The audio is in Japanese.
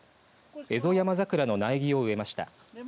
エゾヤマザクラの苗木を植えました。